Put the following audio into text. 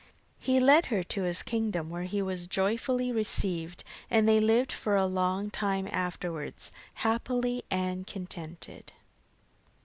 He led her to his kingdom where he was joyfully received, and they lived for a long time afterwards, happy and contented.